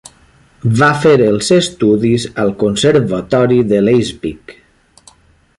Va fer els estudis al Conservatori de Leipzig.